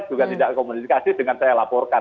juga tidak komunikasi dengan saya laporkan